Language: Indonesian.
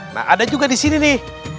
nah ada juga disini nih